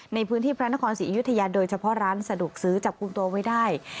ในพื้นที่พระนครศรีอยุธยาโดยเฉพาะร้านสะดวกซื้อจับกลุ่มตัวไว้ได้